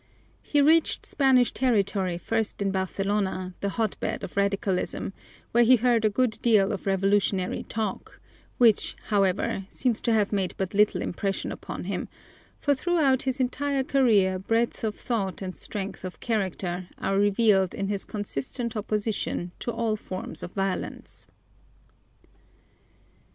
He reached Spanish territory first in Barcelona, the hotbed of radicalism, where he heard a good deal of revolutionary talk, which, however, seems to have made but little impression upon him, for throughout his entire career breadth of thought and strength of character are revealed in his consistent opposition to all forms of violence.